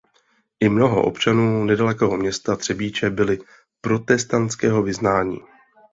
I mnoho občanů nedalekého města Třebíče byly protestantského vyznání.